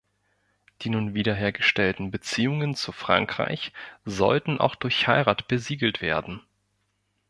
Die nun wiederhergestellten Beziehungen zu Frankreich sollten auch durch Heirat besiegelt werden.